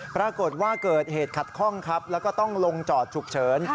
ปรากฏว่าเกิดเหตุขัดข้องครับแล้วก็ต้องลงจอดฉุกเฉิน